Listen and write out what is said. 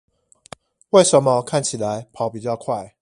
為什麼看起來跑比較快